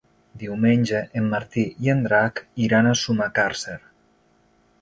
Diumenge en Martí i en Drac iran a Sumacàrcer.